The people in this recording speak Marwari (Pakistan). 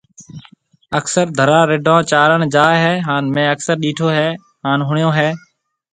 اڪثر ڌراڙ رڍون چارڻ جاوي هي هان مينهه اڪثر ڏيٺو هي هان ۿڻيو هي